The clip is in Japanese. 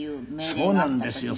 そうなんですよ。